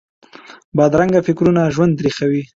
بدرنګه فکرونه ژوند تریخوي